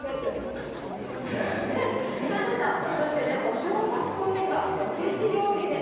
宮根さん、そしてね、お正月といえば、おせち料理です。